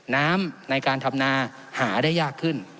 น้ำในการทำนาหาได้ยากขึ้น